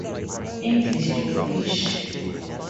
English "to fish".